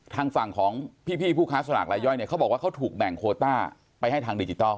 ทางฝั่งของพี่ผู้ค้าสลากลายย่อยเนี่ยเขาบอกว่าเขาถูกแบ่งโคต้าไปให้ทางดิจิทัล